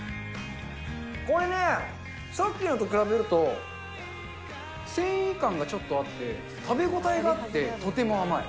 これね、さっきのと比べると、繊維感がちょっとあって、食べ応えがあって、とても甘い。